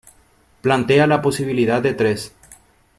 Plantea la posibilidad de tres.